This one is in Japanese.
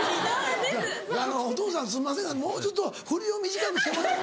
あのお父さんすんませんがもうちょっとふりを短くして。